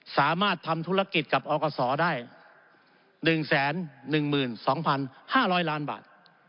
สามารถทำธุรกิจกับออกสอได้หนึ่งแสนหนึ่งหมื่นสองพันห้าร้อยล้านบาท